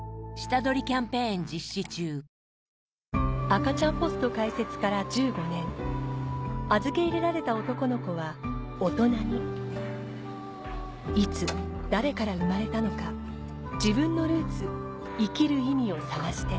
赤ちゃんポスト開設から１５年預け入れられた男の子は大人にいつ誰から産まれたのか自分のルーツ生きる意味を探して